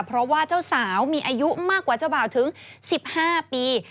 เพราะว่าเจ้าสาวมีอายุมากกว่าเจ้าบ่าวถึง๑๕ปี